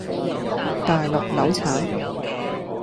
大陸柳橙